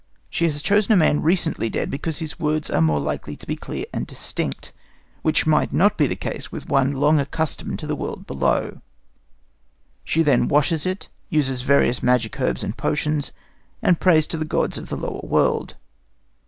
She has chosen a man recently dead, because his words are more likely to be clear and distinct, which might not be the case with one long accustomed to the world below. She then washes it, uses various magic herbs and potions, and prays to the gods of the lower world.